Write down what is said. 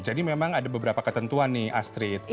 jadi memang ada beberapa ketentuan nih astrid